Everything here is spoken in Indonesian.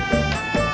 ya pat teman gue